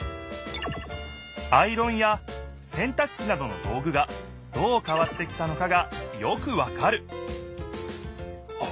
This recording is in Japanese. アイロンやせんたく機などの道具がどう変わってきたのかがよくわかるあっ